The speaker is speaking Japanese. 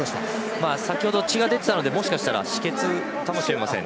先程、血が出ていたのでもしかしたら止血かもしれません。